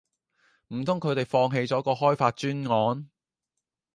唔通佢哋放棄咗個開發專案